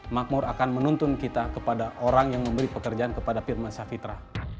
makmur akan menuntun kita kepada orang yang memberi pekerjaan kepada firman safitra